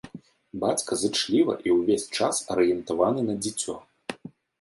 Бацька зычліва і ўвесь час арыентаваны на дзіцё.